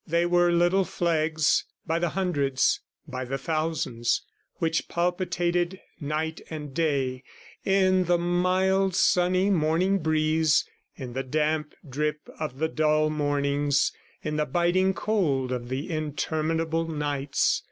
... They were little flags, by the hundreds, by the thousands which palpitated night and day, in the mild, sunny, morning breeze, in the damp drip of the dull mornings, in the biting cold of the interminable nights.